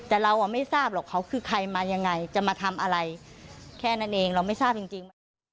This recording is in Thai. แต่เราไม่ทราบหรอกเขาคือใครมายังไงจะมาทำอะไรแค่นั้นเองเราไม่ทราบจริง